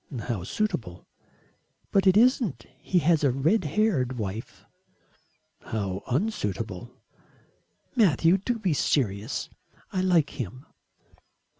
"How suitable." "But it isn't. He has a red haired wife." "How unsuitable." "Matthew, do be serious. I like him."